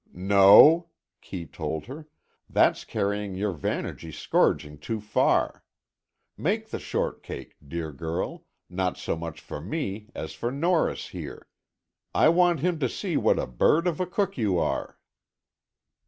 "No," Kee told her, "that's carrying your vanity scourging too far. Make the shortcake, dear girl, not so much for me, as for Norris here. I want him to see what a bird of a cook you are."